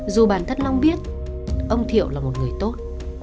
dù bản thân long biết ông thiệu là một người tốt